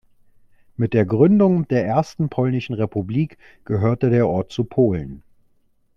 Mit der Gründung der Ersten Polnischen Republik gehörte der Ort zu Polen.